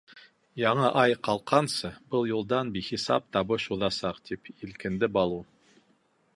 — Яңы ай ҡалҡҡансы, был юлдан бихисап табыш уҙасаҡ, — тип елкенде Балу.